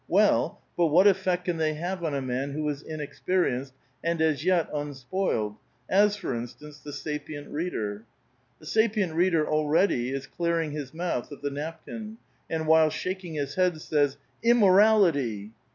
Well (nu) , but what efiPect can they have on a man who is inexpenenced and as yet un spoileii, as, for instance, the sapient reader? The sapient reader already is clearing his mouth of the nap kin, and, while shaking his head, says :—'' Immorality